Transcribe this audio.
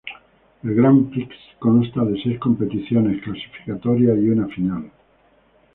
El Grand Prix consta de seis competiciones clasificatorias y una final.